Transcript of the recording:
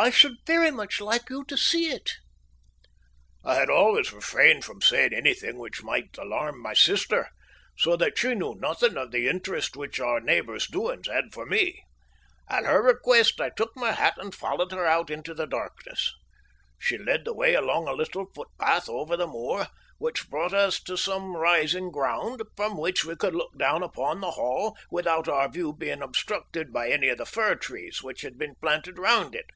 I should very much like you to see it." I had always refrained from saying anything which might alarm my sister, so that she knew nothing of the interest which our neighbours' doings had for me. At her request I took my hat and followed her out into the darkness. She led the way along a little footpath over the moor, which brought us to some rising ground, from which we could look down upon the Hall without our view being obstructed by any of the fir trees which had been planted round it.